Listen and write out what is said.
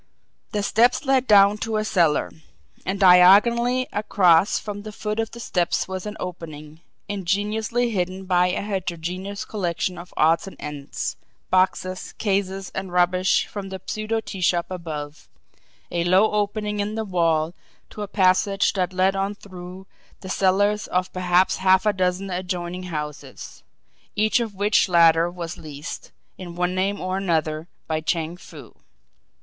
The steps led down to a cellar; and diagonally across from the foot of the steps was an opening, ingeniously hidden by a heterogeneous collection of odds and ends, boxes, cases, and rubbish from the pseudo tea shop above; a low opening in the wall to a passage that led on through the cellars of perhaps half a dozen adjoining houses, each of which latter was leased, in one name or another by Chang Foo.